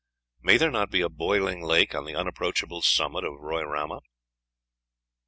May there not be a boiling lake on the unapproachable summit of Roairama?